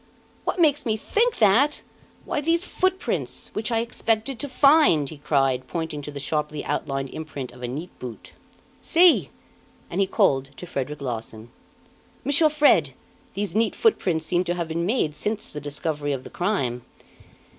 "What makes me think that? Why these footprints, which I expected to find!" he cried, pointing to the sharply outlined imprint of a neat boot. "See!" and he called to Frederic Larsan. "Monsieur Fred, these neat footprints seem to have been made since the discovery of the crime."